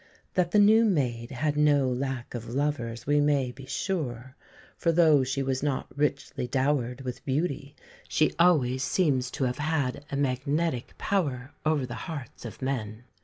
That the new maid had no lack of lovers we may be sure; for though she was not richly dowered with beauty she always seems to have had a magnetic power over the hearts of men.